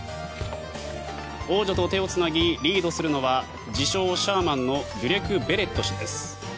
王女と手をつなぎリードするのは自称・シャーマンのデュレク・ベレット氏です。